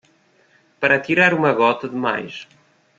Para tirar uma gota demais